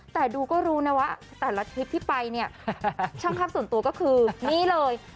แต่ดูก็รู้นะว่าแต่ละทริปที่ไปเนี่ยช่องภาพส่วนตัวก็คือนี่เลย